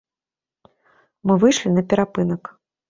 Мы выйшлі на перапынак.